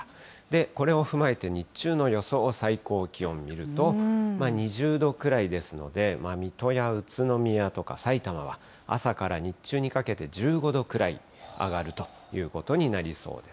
これを踏まえて日中の予想最高気温見ると、２０度くらいですので、水戸や宇都宮とかさいたまは、朝から日中にかけて１５度くらい上がるということになりそうです。